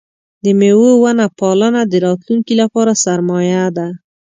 د مېوو ونه پالنه د راتلونکي لپاره سرمایه ده.